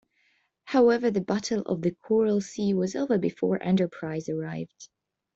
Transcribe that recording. However, the Battle of the Coral Sea was over before "Enterprise" arrived.